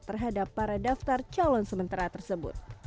terhadap para daftar calon sementara tersebut